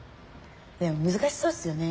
でも難しそうっすよね